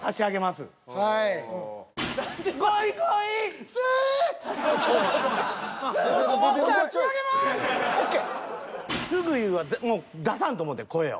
「すぐ言う」はもう出さんと思てん声を。